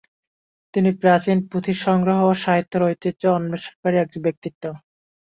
তিনি প্রাচীন পুথি সংগ্রহ ও সাহিত্যের ঐতিহ্য অন্বেষণকারী এক ব্যক্তিত্ব।